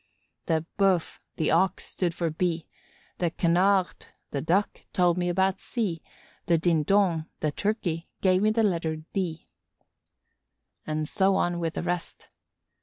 The Bœuf, the Ox, stood for B; the Canard, the Duck, told me about C; the Dindon, the Turkey, gave me the letter D. And so on with the rest.